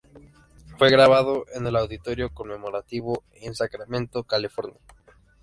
Fue grabado en el Auditorio Conmemorativo en Sacramento, California.